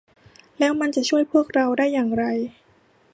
แล้วมันจะช่วยพวกเราได้อย่างไร